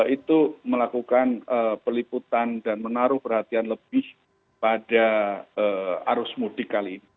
itu melakukan peliputan dan menaruh perhatian lebih pada arus mudik kali ini